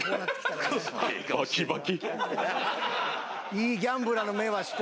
いいギャンブラーの目はしてます。